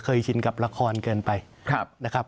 ชินกับละครเกินไปนะครับ